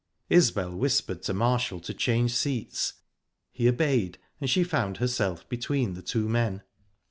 Isbel whispered to Marshall to change seats. He obeyed, and she found herself between the two men.